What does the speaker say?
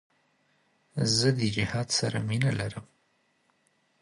زه د جهاد سره مینه لرم.